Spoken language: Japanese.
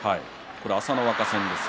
朝乃若戦ですね。